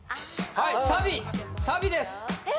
はいサビサビですえ